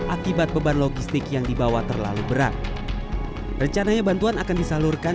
akibat beban logistik yang dibawa terlalu berat rencananya bantuan akan disalurkan